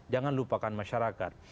jangan lupakan masyarakat